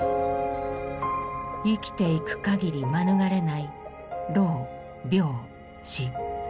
生きていくかぎり免れない老・病・死。